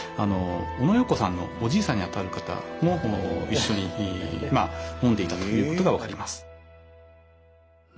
オノ・ヨーコさんのおじいさんにあたる方も一緒にまあ飲んでいたということが分かります。